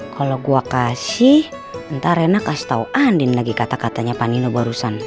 kalau gue kasih entah rena kasih tau andin lagi kata katanya panino barusan